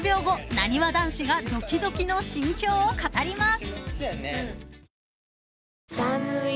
なにわ男子がドキドキの心境を語ります］